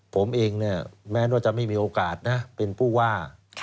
ผมเองเนี่ยแม้ว่าจะไม่มีโอกาสนะเป็นผู้ว่า